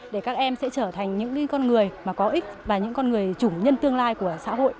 để các em sẽ trở thành những con người có ích và những con người chủng nhân tương lai của xã hội